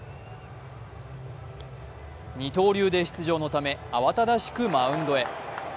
二刀流で出場のため慌ただしくマウンドへ。